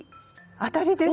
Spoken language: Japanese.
当たりです。